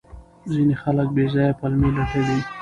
ځینې خلک بې ځایه پلمې لټوي.